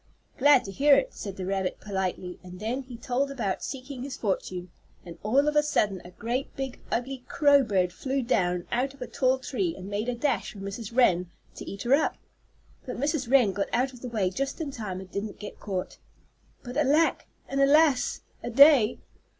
"Glad to hear it," said the rabbit, politely, and then he told about seeking his fortune, and all of a sudden a great big ugly crow bird flew down out of a tall tree and made a dash for Mrs. Wren to eat her up. But Mrs. Wren got out of the way just in time, and didn't get caught. But alack, and alas a day!